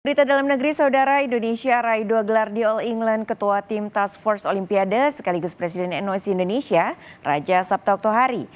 berita dalam negeri saudara indonesia raih dua gelar di all england ketua tim task force olimpiade sekaligus presiden noc indonesia raja sabtauktohari